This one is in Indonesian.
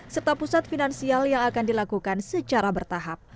serta pusat finansial yang akan dilakukan secara bertahap